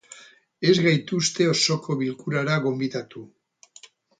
Ez gaituzte osoko bilkurara gonbidatu.